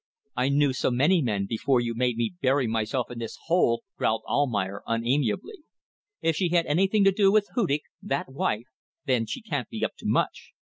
"I knew so many men before you made me bury myself in this hole!" growled Almayer, unamiably. "If she had anything to do with Hudig that wife then she can't be up to much.